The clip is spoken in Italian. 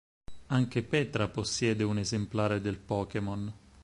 Anche Petra possiede un esemplare del Pokémon.